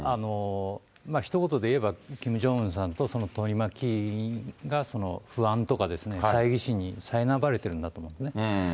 ひと言でいえば、キム・ジョンウンさんとその取り巻きが不安とかですね、さいぎ心にさいなまれてるんだと思いますね。